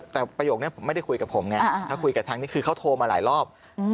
แต่ประโยคนี้ผมไม่ได้คุยกับผมไงถ้าคุยกับทางนี้คือเขาโทรมาหลายรอบ